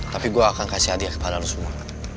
tapi gue akan kasih hadiah kepada lo semua